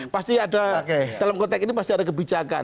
pasti ada dalam konteks ini pasti ada kebijakan